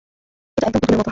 এটা একদম পুতুলের মতো।